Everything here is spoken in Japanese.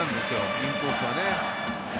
インコースはね。